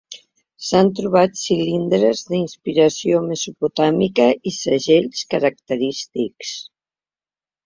S'han trobat cilindres d'inspiració mesopotàmica i segells característics.